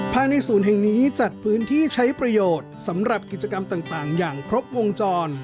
ภายในศูนย์แห่งนี้จัดพื้นที่ใช้ประโยชน์สำหรับกิจกรรมต่างอย่างครบวงจร